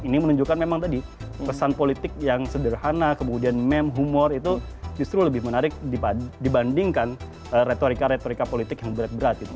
ini menunjukkan memang tadi pesan politik yang sederhana kemudian meme humor itu justru lebih menarik dibandingkan retorika retorika politik yang berat berat gitu mas